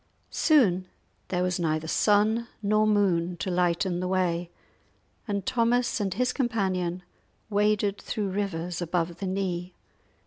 Soon there was neither sun nor moon to lighten the way, and Thomas and his companion waded through rivers above the knee.